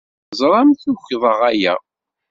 Teẓramt ukḍeɣ aya.